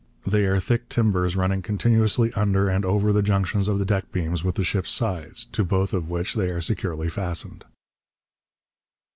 They are thick timbers running continuously under and over the junctions of the deck beams with the ship's sides, to both of which they are securely fastened.